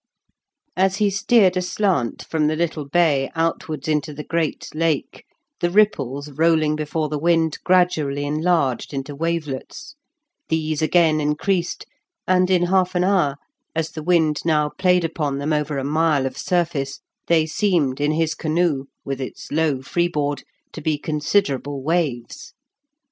As he steered aslant from the little bay outwards into the great Lake, the ripples rolling before the wind gradually enlarged into wavelets, these again increased, and in half an hour, as the wind now played upon them over a mile of surface, they seemed in his canoe, with its low freeboard, to be considerable waves.